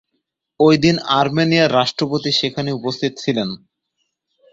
ঐদিন আর্মেনিয়ার রাষ্ট্রপতি সেখানে উপস্থিত ছিলেন।